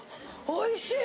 おいしい！